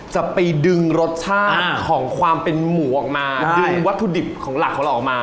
จะไปดึงรสชาติของความเป็นหมูออกมาดึงวัตถุดิบของหลักของเราออกมา